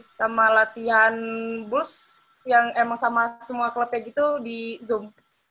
lama lama sama latihan bos yang emang sama semua klubnya gitu di zoom